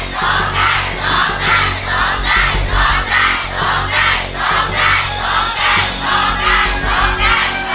ถูกได้ถูกได้ถูกได้